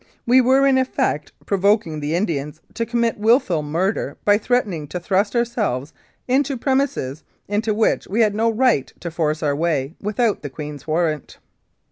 We were, in effect, pro voking the Indians to commit wilful murder by threaten ing to thrust ourselves into premises into which we had no right to force our way without the Queen's Warrant.